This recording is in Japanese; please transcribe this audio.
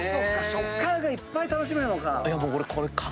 食感がいっぱい楽しめるのか。